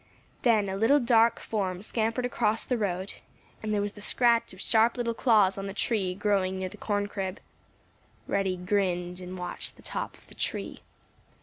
Then a little dark form scampered across the road, and there was the scratch of sharp little claws on the tree growing near the corn crib. Reddy grinned and watched the top of the tree.